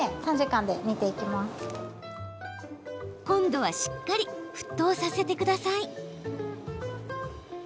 今度はしっかり沸騰させてください。